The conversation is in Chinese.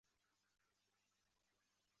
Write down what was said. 池上秋收稻穗艺术节